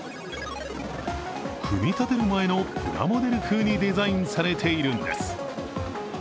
組み立てる前のプラモデル風にデザインされているんです。